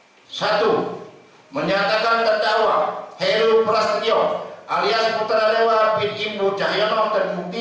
hai satu menyatakan terdakwa helo prasetyo alias putra lewa bin ibn chahyono terbukti